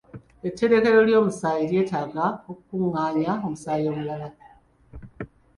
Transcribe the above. Etterekero ly'omusaayi lyetaaga okukungaanya omusaayi omulala.